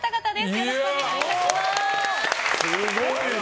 よろしくお願いします。